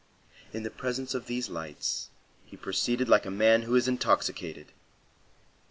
In the presence of these lights, he proceeded like a man who is intoxicated.